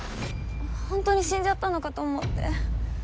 ほんとに死んじゃったのかと思って。